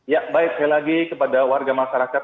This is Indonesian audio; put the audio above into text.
ya baik sekali lagi kepada warga masyarakat